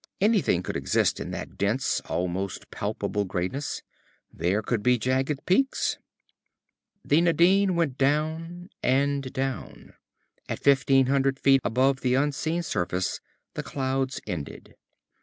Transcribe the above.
Anything could exist in that dense, almost palpable grayness. There could be jagged peaks. The Nadine went down and down. At fifteen hundred feet above the unseen surface, the clouds ended.